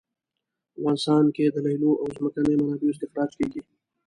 افغانستان کې د لیلیو او ځمکنیو منابعو استخراج کیږي